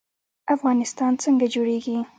افغانستان څنګه جوړیږي؟